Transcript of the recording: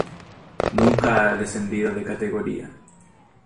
Nunca ha descendido de categoría.